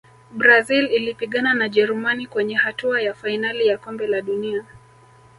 brazil ilipigana na jerumani kwenye hatua ya fainali ya kombe la dunia